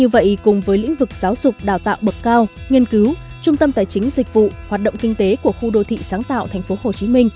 vậy cùng với lĩnh vực giáo dục đào tạo bậc cao nghiên cứu trung tâm tài chính dịch vụ hoạt động kinh tế của khu đô thị sáng tạo tp hcm